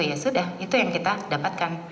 ya sudah itu yang kita dapatkan